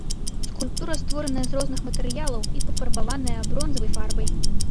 Скульптура створаная з розных матэрыялаў і пафарбаваная бронзавай фарбай.